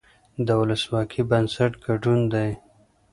د ولسواکۍ بنسټ ګډون دی